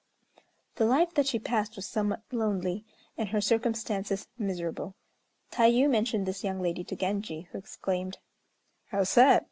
The life that she passed was somewhat lonely, and her circumstances miserable. Tayû mentioned this young lady to Genji, who exclaimed: "How sad!